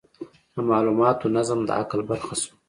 د مالوماتو نظم د عقل برخه شوه.